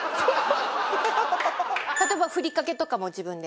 例えばふりかけとかも自分で。